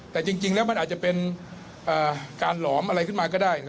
แต่จริงแล้วมันอาจจะเป็นการหลอมอะไรขึ้นมาก็ได้